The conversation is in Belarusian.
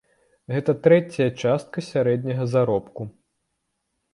Гэта трэцяя частка сярэдняга заробку.